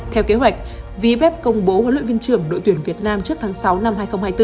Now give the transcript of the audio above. theo kế hoạch vib công bố huấn luyện viên trưởng đội tuyển việt nam trước tháng sáu năm hai nghìn hai mươi bốn